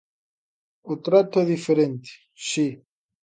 O trato é diferente, si.